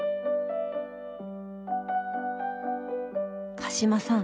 鹿島さん